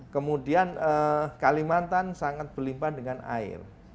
kemudian kalimantan sangat berlimpa dengan air